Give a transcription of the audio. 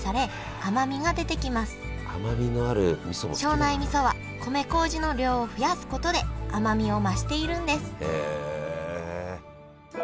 庄内みそは米こうじの量を増やすことで甘みを増しているんですへえ！